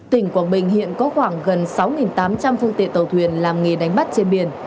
tỉnh quảng bình hiện có khoảng gần sáu tám trăm linh phương tiện tàu thuyền làm nghề đánh bắt trên biển